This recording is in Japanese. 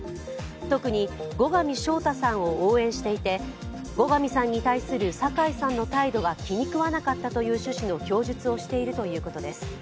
特に後上翔太さんを応援していて、後上さんに対する酒井さんの態度が気に食わなかったという趣旨の供述をしているということです。